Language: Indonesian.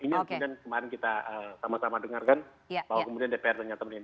ini yang kemudian kemarin kita sama sama dengarkan bahwa kemudian dpr ternyata